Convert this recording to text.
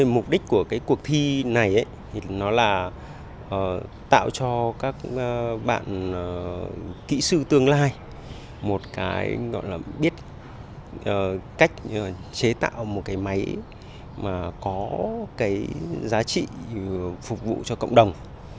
mục đích của cuộc thi này là tạo cho các bạn kỹ sư tương lai biết cách chế tạo một máy có giá trị phục vụ cho cộng đồng